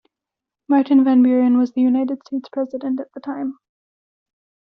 Martin Van Buren was the United States president at the time.